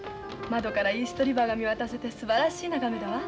窓からイーストリバーが見渡せてすばらしい眺めだわ。